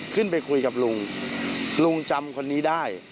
ขึ้นไปคุยกับลุงลุงจำคนนี้ได้